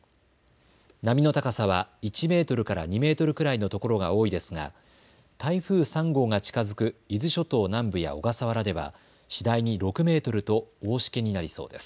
波の高さは１メートルから２メートルくらいのところが多いですが台風３号が近づく伊豆諸島南部や小笠原では次第に６メートルと大しけになりそうです。